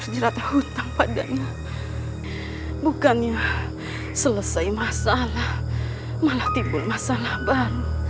jangan lakukan itu nisanak